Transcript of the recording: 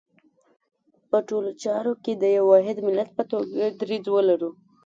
په ټولو ملي چارو کې د یو واحد ملت په توګه دریځ ولرو.